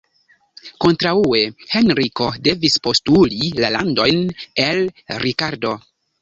Kontraŭe, Henriko devis postuli la landojn el Rikardo.